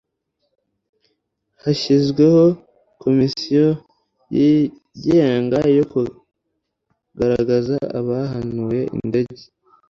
hashyizweho komisiyo yigenga yo kugaragaza abahanuye indege